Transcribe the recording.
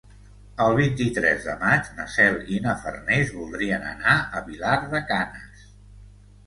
El vint-i-tres de maig na Cel i na Farners voldrien anar a Vilar de Canes.